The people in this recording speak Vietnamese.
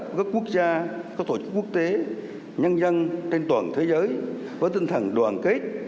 của các quốc gia các tổ chức quốc tế nhân dân trên toàn thế giới với tinh thần đoàn kết